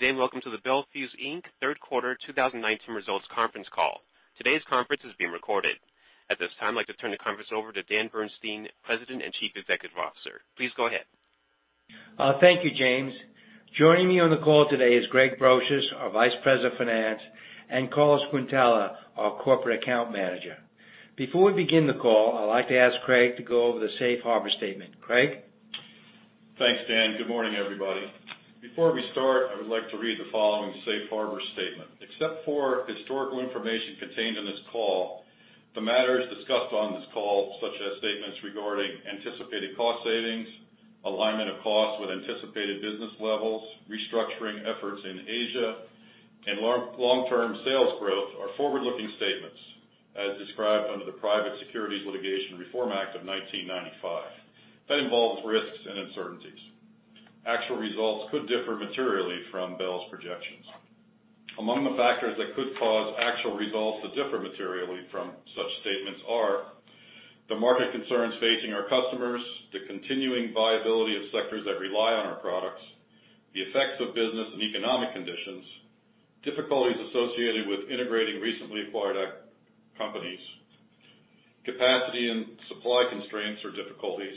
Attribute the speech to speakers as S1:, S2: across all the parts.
S1: Good day and welcome to the Bel Fuse Inc. Third Quarter 2019 Results Conference Call. Today's conference is being recorded. At this time, I'd like to turn the conference over to Daniel Bernstein, President and Chief Executive Officer. Please go ahead.
S2: Thank you, James. Joining me on the call today is Craig Brosious, our Vice President of Finance, and Carlos Quintela, our Corporate Account Manager. Before we begin the call, I'd like to ask Craig to go over the safe harbor statement. Craig?
S3: Thanks, Dan. Good morning, everybody. Before we start, I would like to read the following safe harbor statement. Except for historical information contained in this call, the matters discussed on this call, such as statements regarding anticipated cost savings, alignment of costs with anticipated business levels, restructuring efforts in Asia, and long-term sales growth are forward-looking statements as described under the Private Securities Litigation Reform Act of 1995 that involves risks and uncertainties. Actual results could differ materially from Bel's projections. Among the factors that could cause actual results to differ materially from such statements are the market concerns facing our customers, the continuing viability of sectors that rely on our products, the effects of business and economic conditions, difficulties associated with integrating recently acquired companies, capacity and supply constraints or difficulties,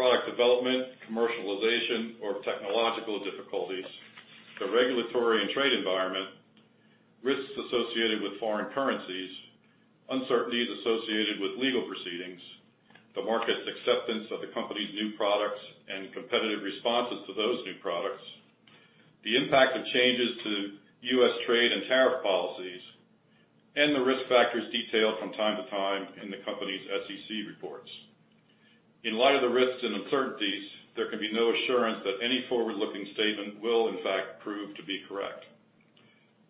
S3: product development, commercialization or technological difficulties, the regulatory and trade environment, risks associated with foreign currencies, uncertainties associated with legal proceedings, the market's acceptance of the company's new products, and competitive responses to those new products, the impact of changes to U.S. trade and tariff policies, and the risk factors detailed from time to time in the company's SEC reports. In light of the risks and uncertainties, there can be no assurance that any forward-looking statement will in fact prove to be correct.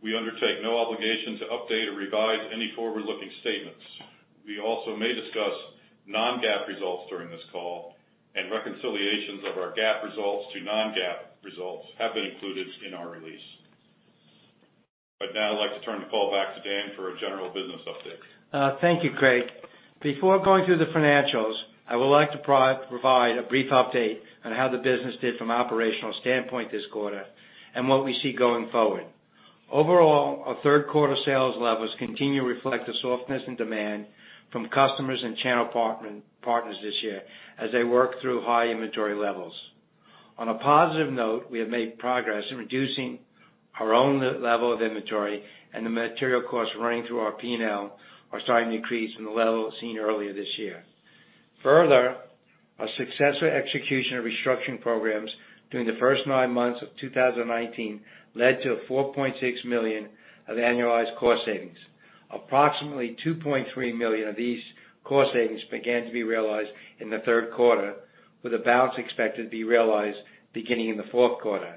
S3: We undertake no obligation to update or revise any forward-looking statements. We also may discuss non-GAAP results during this call, and reconciliations of our GAAP results to non-GAAP results have been included in our release. Now I'd like to turn the call back to Dan for a general business update.
S2: Thank you, Craig. Before going through the financials, I would like to provide a brief update on how the business did from an operational standpoint this quarter and what we see going forward. Overall, our third quarter sales levels continue to reflect the softness and demand from customers and channel partners this year as they work through high inventory levels. On a positive note, we have made progress in reducing our own level of inventory and the material costs running through our P&L are starting to decrease from the level seen earlier this year. Further, our successful execution of restructuring programs during the first nine months of 2019 led to a $4.6 million of annualized cost savings. Approximately $2.3 million of these cost savings began to be realized in the third quarter, with the balance expected to be realized beginning in the fourth quarter.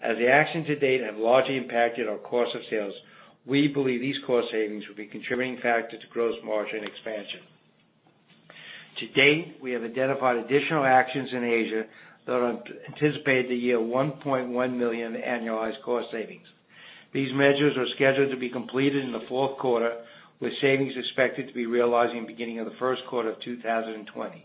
S2: As the actions to date have largely impacted our cost of sales, we believe these cost savings will be a contributing factor to gross margin expansion. To date, we have identified additional actions in Asia that are anticipated to yield $1.1 million annualized cost savings. These measures are scheduled to be completed in the fourth quarter, with savings expected to be realized in the beginning of the first quarter of 2020.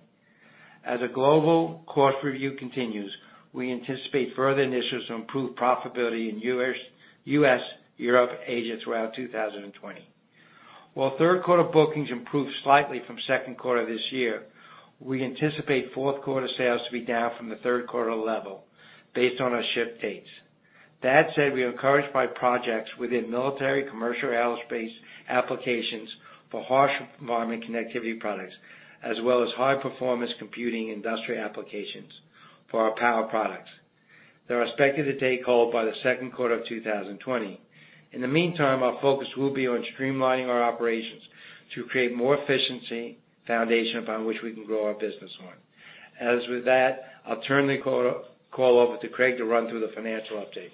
S2: As a global cost review continues, we anticipate further initiatives to improve profitability in U.S., Europe, Asia throughout 2020. While third quarter bookings improved slightly from second quarter this year, we anticipate fourth quarter sales to be down from the third quarter level based on our ship dates. That said, we are encouraged by projects within military commercial aerospace applications for harsh environment connectivity products as well as high performance computing industrial applications for our power products. They're expected to take hold by the second quarter of 2020. In the meantime, our focus will be on streamlining our operations to create more efficiency foundation upon which we can grow our business on. As with that, I'll turn the call over to Craig to run through the financial update.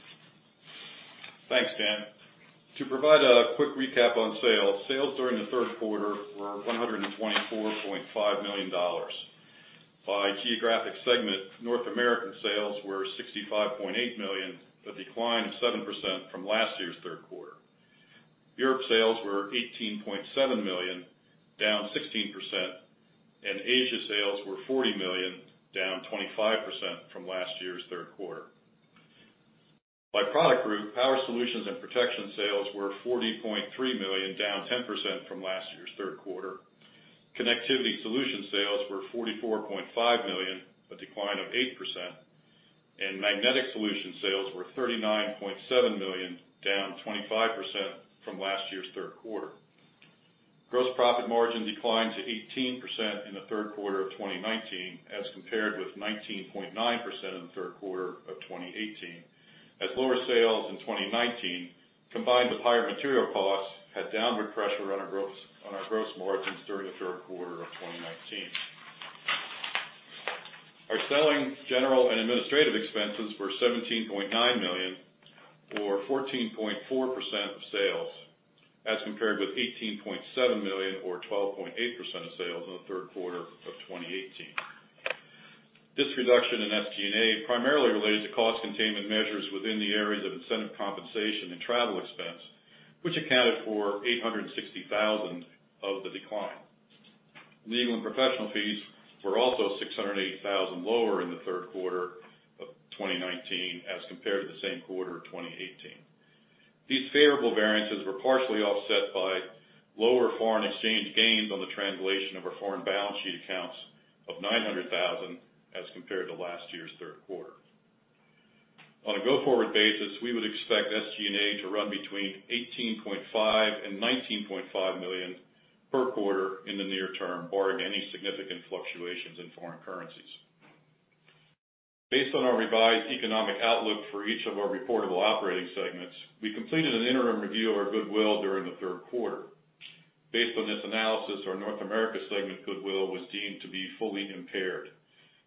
S3: Thanks, Dan. To provide a quick recap on sales. Sales during the third quarter were $124.5 million. By geographic segment, North American sales were $65.8 million, a decline of 7% from last year's third quarter. Europe sales were $18.7 million, down 16%, and Asia sales were $40 million, down 25% from last year's third quarter. By product group, Power Solutions and Protection sales were $40.3 million, down 10% from last year's third quarter. Connectivity Solutions sales were $44.5 million, a decline of 8%, and Magnetic Solutions sales were $39.7 million, down 25% from last year's third quarter. Gross profit margin declined to 18% in the third quarter of 2019 as compared with 19.9% in the third quarter of 2018, as lower sales in 2019, combined with higher material costs, had downward pressure on our gross margins during the third quarter of 2019. Our selling, general and administrative expenses were $17.9 million or 14.4% of sales as compared with $18.7 million or 12.8% of sales in the third quarter of 2018. This reduction in SG&A primarily related to cost containment measures within the areas of incentive compensation and travel expense, which accounted for $860,000 of the decline. Legal and professional fees were also $680,000 lower in the third quarter of 2019 as compared to the same quarter of 2018. These favorable variances were partially offset by lower foreign exchange gains on the translation of our foreign balance sheet accounts of $5,900 as compared to last year's third quarter. On a go-forward basis, we would expect SG&A to run between $18.5 million and $19.5 million per quarter in the near term, barring any significant fluctuations in foreign currencies. Based on our revised economic outlook for each of our reportable operating segments, we completed an interim review of our goodwill during the third quarter. Based on this analysis, our North America segment goodwill was deemed to be fully impaired.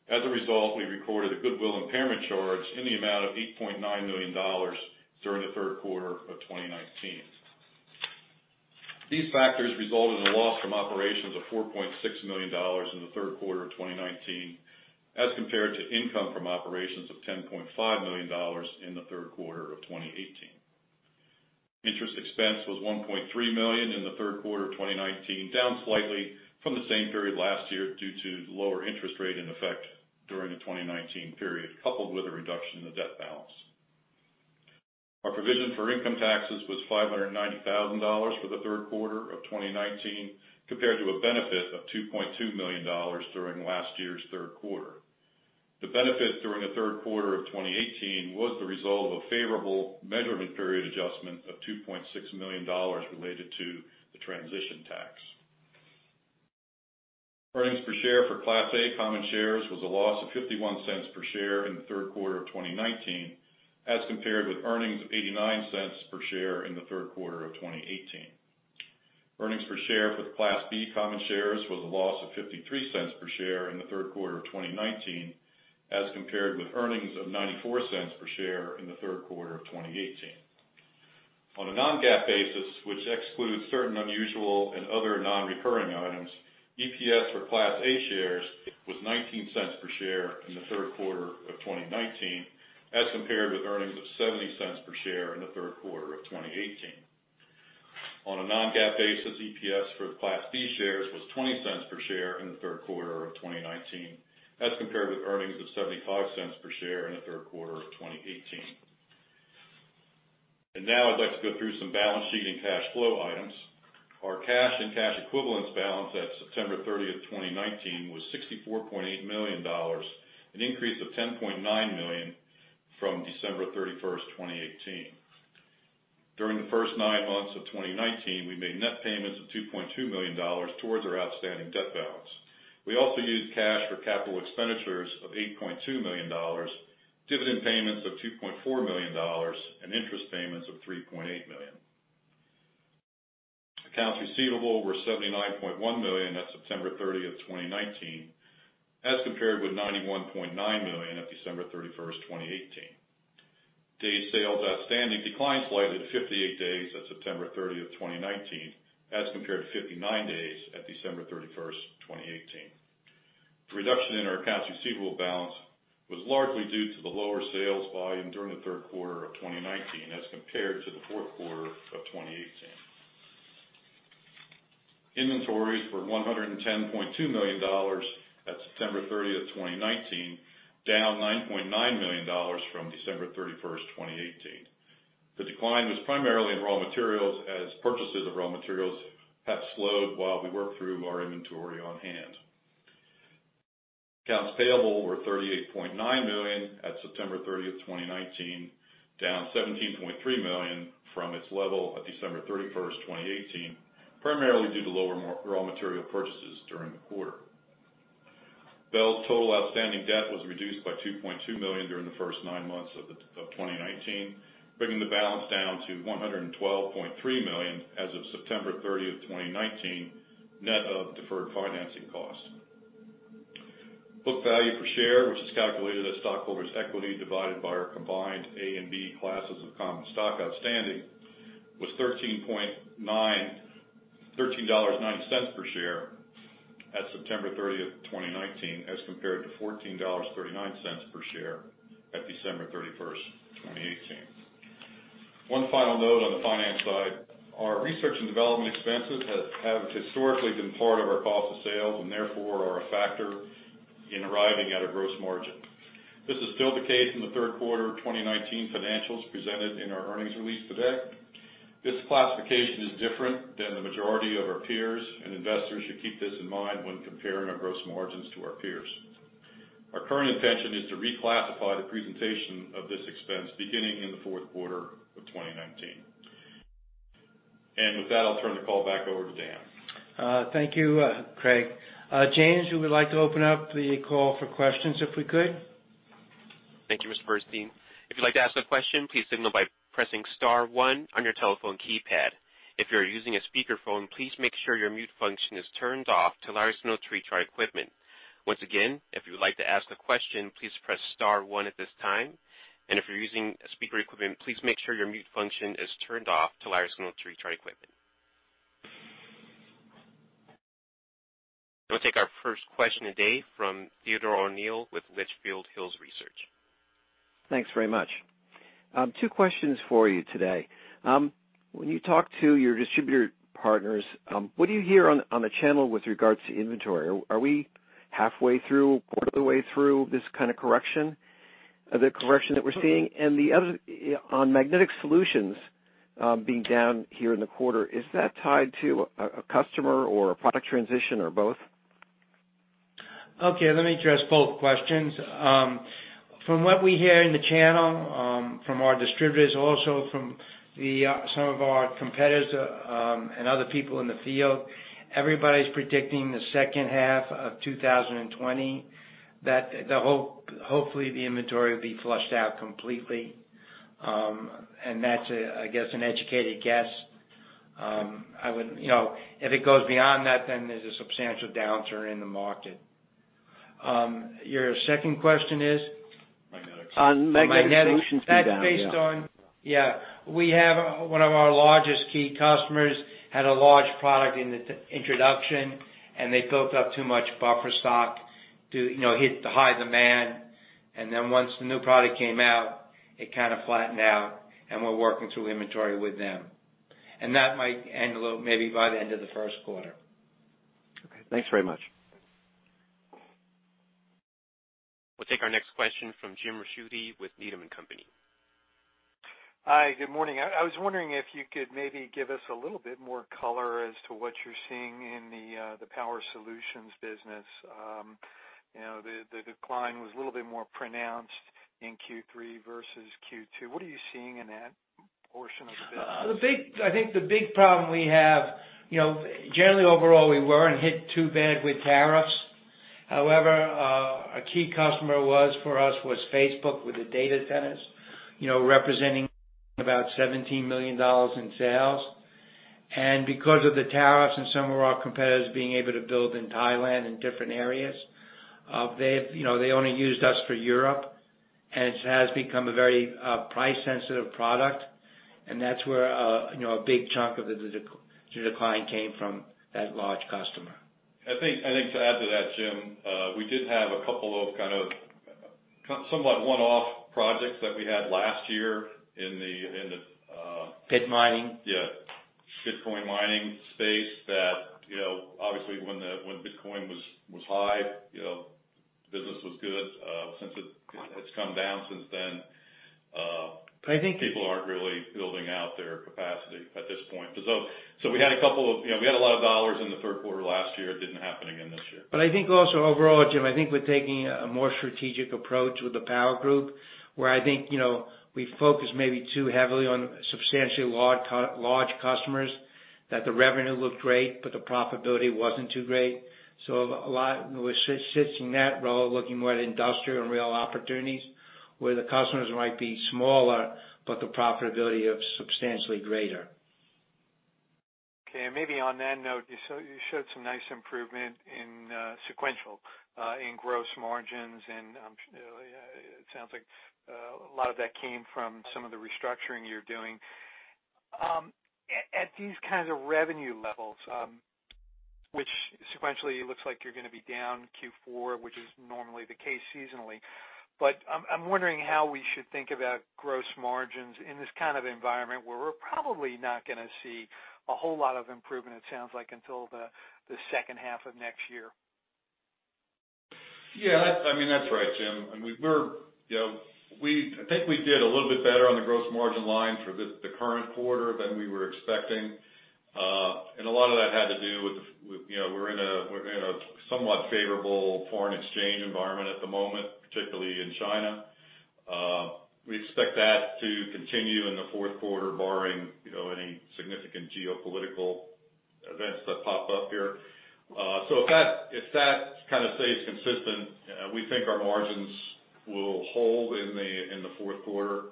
S3: As a result, we recorded a goodwill impairment charge in the amount of $8.9 million during the third quarter of 2019. These factors resulted in a loss from operations of $4.6 million in the third quarter of 2019 as compared to income from operations of $10.5 million in the third quarter of 2018. Interest expense was $1.3 million in the third quarter of 2019, down slightly from the same period last year due to the lower interest rate in effect during the 2019 period, coupled with a reduction in the debt balance. Our provision for income taxes was $590,000 for the third quarter of 2019, compared to a benefit of $2.2 million during last year's third quarter. The benefit during the third quarter of 2018 was the result of favorable measurement period adjustment of $2.6 million related to the transition tax. Earnings per share for Class A common shares was a loss of $0.51 per share in the third quarter of 2019 as compared with earnings of $0.89 per share in the third quarter of 2018. Earnings per share for the Class B common shares was a loss of $0.53 per share in the third quarter of 2019 as compared with earnings of $0.94 per share in the third quarter of 2018. On a non-GAAP basis, which excludes certain unusual and other non-recurring items, EPS for Class A shares was $0.19 per share in the third quarter of 2019 as compared with earnings of $0.70 per share in the third quarter of 2018. On a non-GAAP basis, EPS for the Class B shares was $0.20 per share in the third quarter of 2019 as compared with earnings of $0.75 per share in the third quarter of 2018. Now I'd like to go through some balance sheet and cash flow items. Our cash and cash equivalents balance at September 30th, 2019 was $64.8 million, an increase of $10.9 million from December 31st, 2018. During the first nine months of 2019, we made net payments of $2.2 million towards our outstanding debt balance. We also used cash for capital expenditures of $8.2 million, dividend payments of $2.4 million, and interest payments of $3.8 million. Accounts receivable were $79.1 million at September 30th, 2019 as compared with $91.9 million at December 31st, 2018. Days sales outstanding declined slightly to 58 days at September 30th, 2019 as compared to 59 days at December 31st, 2018. The reduction in our accounts receivable balance was largely due to the lower sales volume during the third quarter of 2019 as compared to the fourth quarter of 2018. Inventories were $110.2 million at September 30th, 2019, down $9.9 million from December 31st, 2018. The decline was primarily in raw materials as purchases of raw materials have slowed while we work through our inventory on hand. Accounts payable were $38.9 million at September 30th, 2019, down $17.3 million from its level at December 31st, 2018, primarily due to lower raw material purchases during the quarter. Bel's total outstanding debt was reduced by $2.2 million during the first nine months of 2019, bringing the balance down to $112.3 million as of September 30th, 2019, net of deferred financing cost. Book value per share, which is calculated as stockholders' equity divided by our combined Class A and Class B classes of common stock outstanding, was $13.09 per share at September 30th, 2019 as compared to $14.39 per share at December 31st, 2018. One final note on the finance side. Our research and development expenses have historically been part of our cost of sales and therefore are a factor in arriving at a gross margin. This is still the case in the third quarter of 2019 financials presented in our earnings release today. This classification is different than the majority of our peers, and investors should keep this in mind when comparing our gross margins to our peers. Our current intention is to reclassify the presentation of this expense beginning in the fourth quarter of 2019. With that, I'll turn the call back over to Dan.
S2: Thank you, Craig. James, we would like to open up the call for questions if we could.
S1: Thank you, Mr. Bernstein. If you'd like to ask a question, please signal by pressing star 1 on your telephone keypad. If you're using a speakerphone, please make sure your mute function is turned off to allow us to know to reach our equipment. Once again, if you would like to ask a question, please press star 1 at this time. If you're using speaker equipment, please make sure your mute function is turned off to allow us to know to reach our equipment. We'll take our first question today from Theodore O'Neill with Litchfield Hills Research.
S4: Thanks very much. Two questions for you today. When you talk to your distributor partners, what do you hear on the channel with regards to inventory? Are we halfway through, quarter of the way through this kind of correction, the correction that we're seeing? The other, on Magnetic Solutions being down here in the quarter, is that tied to a customer or a product transition or both?
S2: Okay, let me address both questions. From what we hear in the channel, from our distributors, also from some of our competitors and other people in the field, everybody's predicting the second half of 2020 that hopefully the inventory will be flushed out completely. That's, I guess, an educated guess. If it goes beyond that, there's a substantial downturn in the market. Your second question is?
S3: Magnetics.
S4: On Magnetic Solutions being down, yeah.
S2: On Magnetics. That's based on. One of our largest key customers had a large product introduction, they built up too much buffer stock to hit the high demand, then once the new product came out, it kind of flattened out, we're working through inventory with them. That might end maybe by the end of the first quarter.
S4: Okay. Thanks very much.
S1: We'll take our next question from James Ricchiuti with Needham & Company.
S5: Hi. Good morning. I was wondering if you could maybe give us a little bit more color as to what you're seeing in the Power Solutions business. The decline was a little bit more pronounced in Q3 versus Q2. What are you seeing in that portion of the business?
S2: I think the big problem we have, generally overall, we weren't hit too bad with tariffs. However, a key customer for us was Facebook with the data centers, representing about $17 million in sales. Because of the tariffs and some of our competitors being able to build in Thailand and different areas, they only used us for Europe, and it has become a very price-sensitive product, and that's where a big chunk of the decline came from, that large customer.
S3: I think to add to that, Jim, we did have a couple of kind of somewhat one-off projects that we had last year in the.
S2: Bitcoin mining
S3: yeah, Bitcoin mining space that, obviously, when Bitcoin was high business was good. Since it's come down since then-
S5: But I think-
S3: people aren't really building out their capacity at this point. We had a lot of dollars in the third quarter last year, it didn't happen again this year.
S2: I think also overall, Jim, I think we're taking a more strategic approach with the Power group, where I think we focused maybe too heavily on substantially large customers, that the revenue looked great, but the profitability wasn't too great. We're shifting that role, looking more at industrial and real opportunities, where the customers might be smaller, but the profitability is substantially greater.
S5: Okay, and maybe on that note, you showed some nice improvement in sequential, in gross margins, and it sounds like a lot of that came from some of the restructuring you're doing. At these kinds of revenue levels, which sequentially looks like you're going to be down Q4, which is normally the case seasonally, but I'm wondering how we should think about gross margins in this kind of environment where we're probably not going to see a whole lot of improvement, it sounds like, until the second half of next year.
S3: Yeah. That's right, Jim. I think we did a little bit better on the gross margin line for the current quarter than we were expecting. A lot of that had to do with, we're in a somewhat favorable foreign exchange environment at the moment, particularly in China. We expect that to continue in the fourth quarter, barring any significant geopolitical events that pop up here. If that kind of stays consistent, we think our margins will hold in the fourth quarter,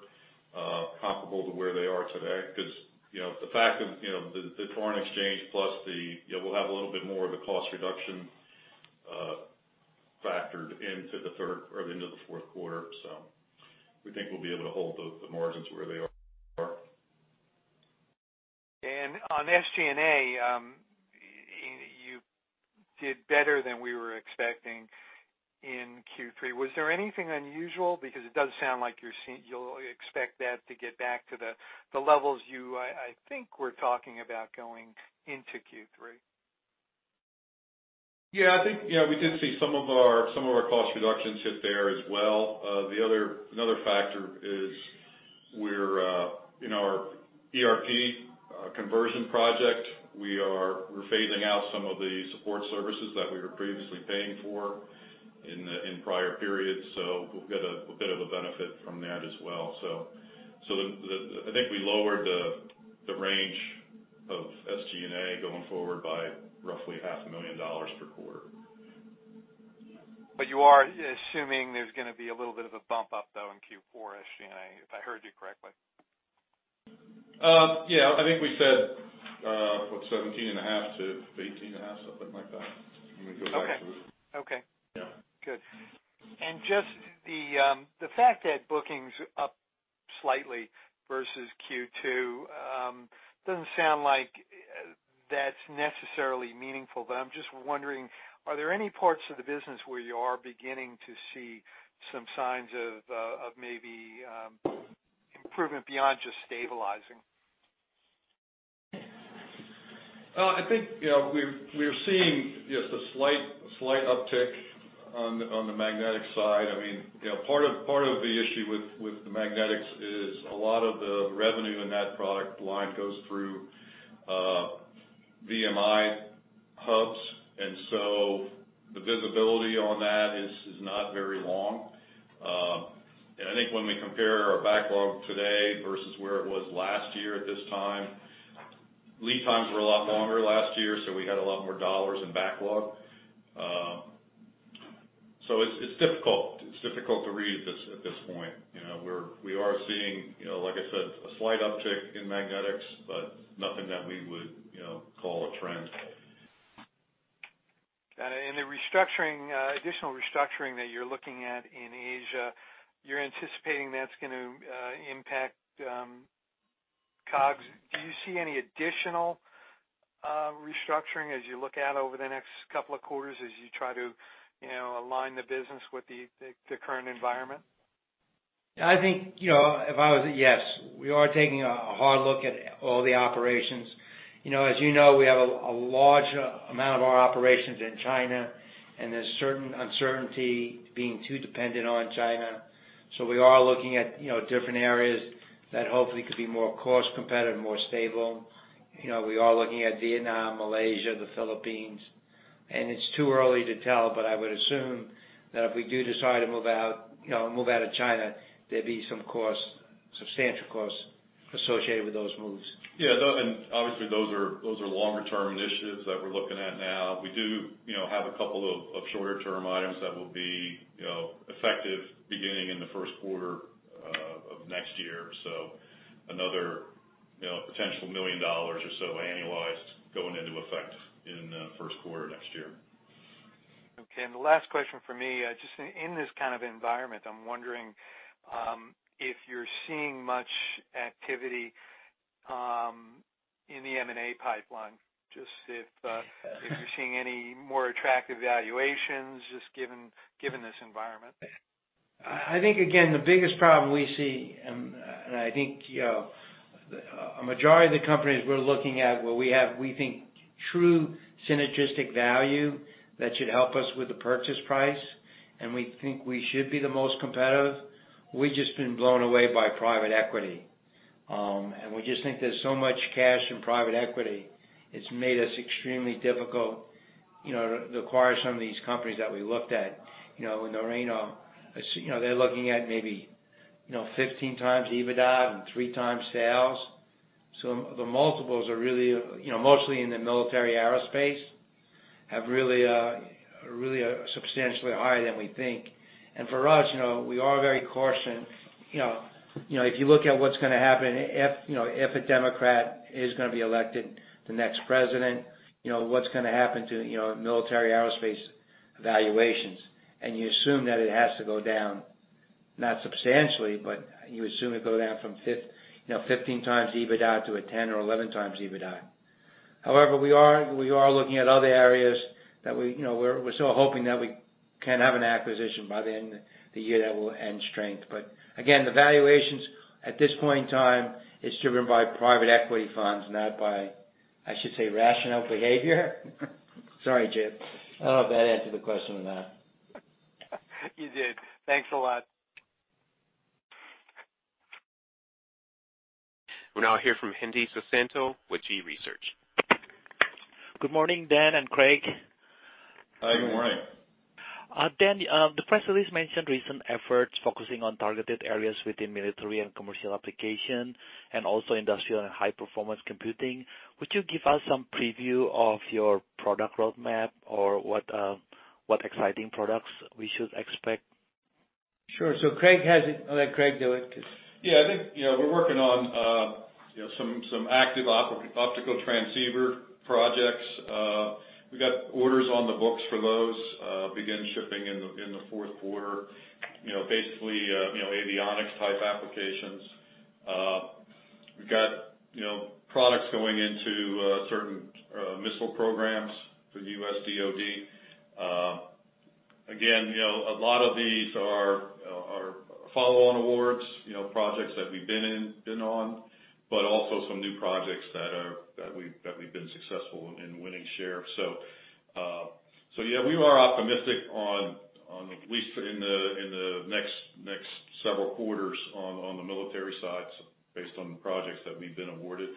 S3: comparable to where they are today. Because the fact of the foreign exchange plus we'll have a little bit more of the cost reduction factored into the fourth quarter. We think we'll be able to hold the margins where they are.
S5: On SG&A, you did better than we were expecting in Q3. Was there anything unusual? It does sound like you'll expect that to get back to the levels you, I think, were talking about going into Q3.
S3: Yeah, I think we did see some of our cost reductions hit there as well. Another factor is in our ERP conversion project, we're phasing out some of the support services that we were previously paying for in prior periods. We'll get a bit of a benefit from that as well. I think we lowered the range of SG&A going forward by roughly half a million dollars per quarter.
S5: You are assuming there's going to be a little bit of a bump up, though, in Q4 SG&A, if I heard you correctly?
S3: Yeah. I think we said, what, 17 and a half to 18 and a half? Something like that.
S5: Okay.
S3: Yeah.
S5: Good. Just the fact that bookings up slightly versus Q2 doesn't sound like that's necessarily meaningful, but I'm just wondering, are there any parts of the business where you are beginning to see some signs of maybe improvement beyond just stabilizing?
S3: I think we're seeing just a slight uptick on the magnetic side. Part of the issue with the Magnetics is a lot of the revenue in that product line goes through VMI hubs, and so the visibility on that is not very long. I think when we compare our backlog today versus where it was last year at this time, lead times were a lot longer last year, so we had a lot more dollars in backlog. It's difficult to read at this point. We are seeing, like I said, a slight uptick in Magnetics, but nothing that we would call a trend.
S5: Got it. The additional restructuring that you're looking at in Asia, you're anticipating that's going to impact COGS. Do you see any additional restructuring as you look out over the next couple of quarters as you try to align the business with the current environment?
S2: I think, yes. We are taking a hard look at all the operations. As you know, we have a large amount of our operations in China, and there's certain uncertainty being too dependent on China. We are looking at different areas that hopefully could be more cost competitive, more stable. We are looking at Vietnam, Malaysia, the Philippines, and it's too early to tell, but I would assume that if we do decide to move out of China, there'd be some substantial costs associated with those moves.
S3: Yeah. Obviously, those are longer term initiatives that we're looking at now. We do have a couple of shorter term items that will be effective beginning in the first quarter of next year. Another potential million dollars or so annualized going into effect in the first quarter next year.
S5: Okay. The last question from me, just in this kind of environment, I'm wondering if you're seeing much activity in the M&A pipeline, just if you're seeing any more attractive valuations, just given this environment.
S2: I think, again, the biggest problem we see, I think a majority of the companies we're looking at where we have, we think, true synergistic value that should help us with the purchase price, we think we should be the most competitive. We've just been blown away by private equity, we just think there's so much cash in private equity. It's made us extremely difficult to acquire some of these companies that we looked at. I mean, they're looking at maybe 15x EBITDA 3x sales. The multiples are really, mostly in the military aerospace, have really are substantially higher than we think. For us, we are very cautioned. If you look at what's going to happen, if a Democrat is going to be elected the next president, what's going to happen to military aerospace valuations, and you assume that it has to go down, not substantially, but you assume it'd go down from 15 times EBITDA to a 10 or 11 times EBITDA. We are looking at other areas that we're still hoping that we can have an acquisition by the end of the year that will [add strength. Again, the valuations at this point in time is driven by private equity funds, not by, I should say, rational behavior. Sorry, Jim. I don't know if that answered the question or not.
S5: You did. Thanks a lot.
S1: We'll now hear from Hendi Susanto with Gabelli Funds.
S6: Good morning, Dan and Craig.
S3: Hi, good morning.
S6: Dan, the press release mentioned recent efforts focusing on targeted areas within military and commercial application and also industrial and high-performance computing. Would you give us some preview of your product roadmap or what exciting products we should expect?
S2: Sure. Craig has it. I'll let Craig do it because-
S3: Yeah, I think we're working on some active optical transceiver projects. We got orders on the books for those, begin shipping in the fourth quarter. Basically, avionics type applications. We've got products going into certain missile programs for U.S. DOD. A lot of these are follow-on awards, projects that we've been on, but also some new projects that we've been successful in winning share. Yeah, we are optimistic on at least in the next several quarters on the military side based on the projects that we've been awarded.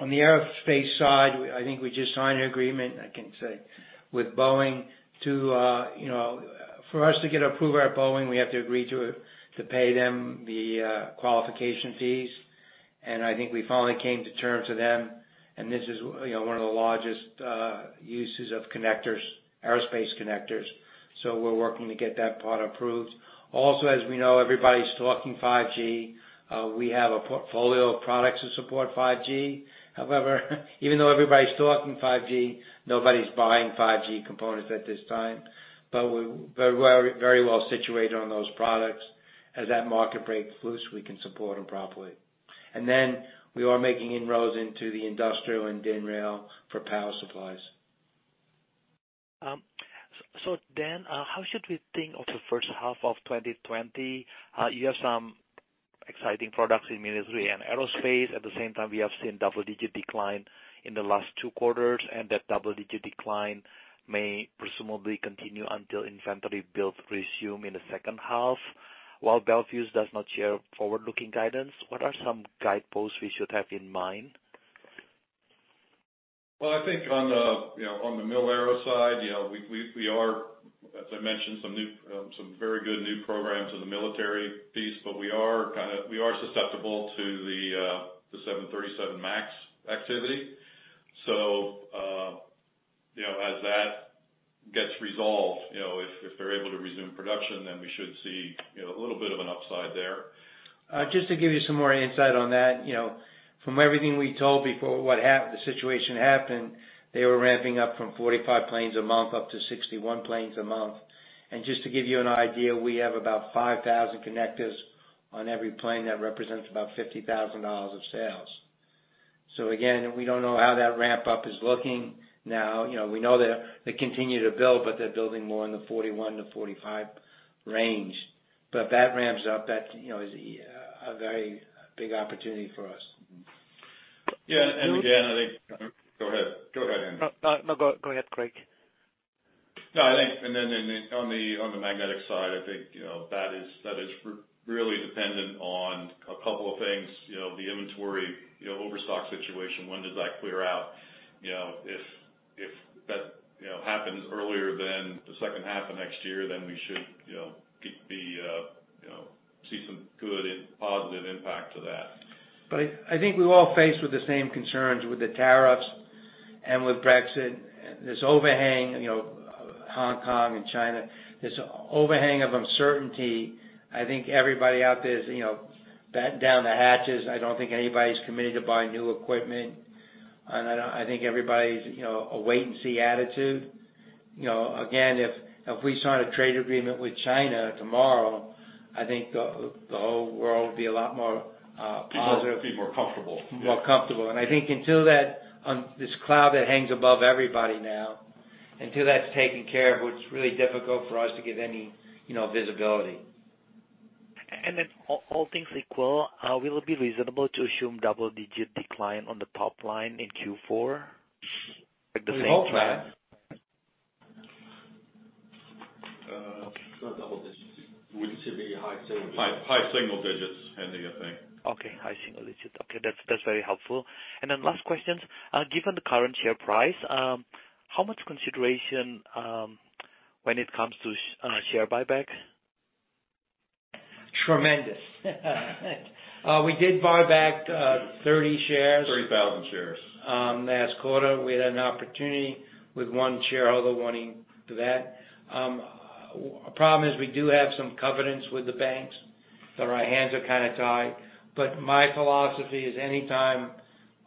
S2: On the aerospace side, I think we just signed an agreement, I can say, with Boeing to. For us to get approval at Boeing, we have to agree to pay them the qualification fees. I think we finally came to terms with them. This is one of the largest uses of connectors, aerospace connectors. We're working to get that part approved. As we know, everybody's talking 5G. We have a portfolio of products to support 5G. Even though everybody's talking 5G, nobody's buying 5G components at this time. We're very well situated on those products. As that market breaks loose, we can support them properly. We are making inroads into the industrial and rail for power supplies.
S6: Dan, how should we think of the first half of 2020? You have some exciting products in military and aerospace. At the same time, we have seen double-digit decline in the last two quarters, and that double-digit decline may presumably continue until inventory builds resume in the second half. While Bel Fuse does not share forward-looking guidance, what are some guideposts we should have in mind?
S3: Well, I think on the mil-aero side, we are, as I mentioned, some very good new programs in the military piece, but we are susceptible to the 737 MAX activity. As that gets resolved, if they're able to resume production, then we should see a little bit of an upside there.
S2: Just to give you some more insight on that, from everything we told before the situation happened, they were ramping up from 45 planes a month up to 61 planes a month. Just to give you an idea, we have about 5,000 connectors on every plane. That represents about $50,000 of sales. Again, we don't know how that ramp-up is looking now. We know they continue to build, they're building more in the 41-45 range. That ramps up, that is a very big opportunity for us.
S3: Yeah. Again, I think. Go ahead, Hendi.
S6: No, go ahead, Craig.
S3: No, I think, on the magnetic side, I think that is really dependent on a couple of things. The inventory overstock situation, when does that clear out? If that happens earlier than the second half of next year, we should see some good and positive impact to that.
S2: I think we're all faced with the same concerns with the tariffs and with Brexit, this overhang, Hong Kong and China. This overhang of uncertainty, I think everybody out there is batten down the hatches. I don't think anybody's committed to buying new equipment. I think everybody's a wait-and-see attitude. Again, if we sign a trade agreement with China tomorrow, I think the whole world would be a lot more positive.
S3: Be more comfortable.
S2: More comfortable. I think until that, this cloud that hangs above everybody now, until that's taken care of, it's really difficult for us to give any visibility.
S6: All things equal, will it be reasonable to assume double-digit decline on the top line in Q4 at the same time?
S3: We hope that.
S2: It's not double digits. We'd say maybe high single digits.
S3: High single digits, Andy, I think.
S6: Okay, high single digits. Okay, that's very helpful. Last question, given the current share price, how much consideration when it comes to share buyback?
S2: Tremendous. We did buy back 30 shares.
S3: 30,000 shares.
S2: Last quarter. We had an opportunity with one shareholder wanting to do that. Problem is we do have some covenants with the banks, so our hands are kind of tied. My philosophy is anytime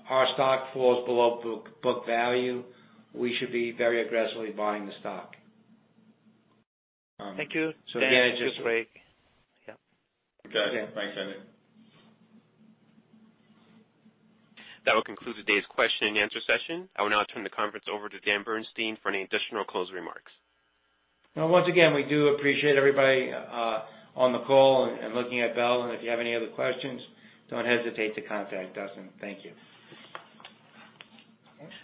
S2: our stock falls below book value, we should be very aggressively buying the stock.
S6: Thank you, Dan and Craig.
S3: Okay. Thanks, Andy.
S1: That will conclude today's question and answer session. I will now turn the conference over to Daniel Bernstein for any additional close remarks.
S2: Once again, we do appreciate everybody on the call and looking at Bel, and if you have any other questions, don't hesitate to contact us. Thank you.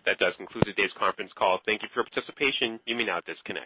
S1: That does conclude today's conference call. Thank Thank you for your participation. You may now disconnect.